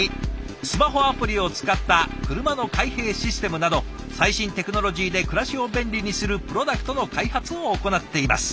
スマホアプリを使った車の開閉システムなど最新テクノロジーで暮らしを便利にするプロダクトの開発を行っています。